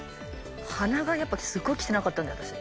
鼻がやっぱりすごい汚かったんだ私。